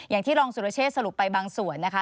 อย่างที่รองสุรเชษสรุปไปบางส่วนนะคะ